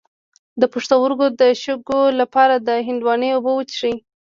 د پښتورګو د شګو لپاره د هندواڼې اوبه وڅښئ